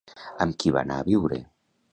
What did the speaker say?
Amb qui va anar a viure?